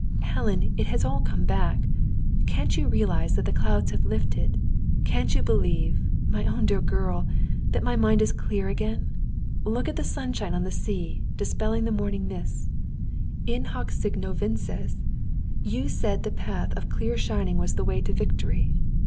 Helen, it has all come back. Can't you realise that the clouds have lifted; can't you believe, my own dear girl, that my mind is clear again? Look at the sunshine on the sea, dispelling the morning mists. In hoc signo vinces! You said the path of clear shining was the way to victory.